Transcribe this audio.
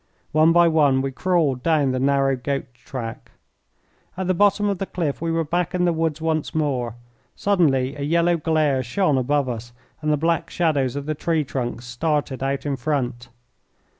One by one we crawled down the narrow goat track. At the bottom of the cliff we were back in the woods once more. Suddenly a yellow glare shone above us, and the black shadows of the tree trunks started out in front.